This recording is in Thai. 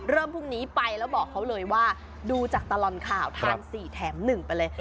พรุ่งนี้ไปแล้วบอกเขาเลยว่าดูจากตลอดข่าวทาน๔แถม๑ไปเลย